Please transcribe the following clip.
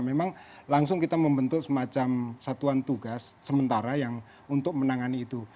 memang langsung kita membentuk semacam satuan tugas sementara yang untuk menangani itu